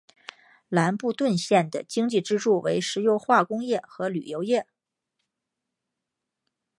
兰布顿县的经济支柱为石油化工业和旅游业。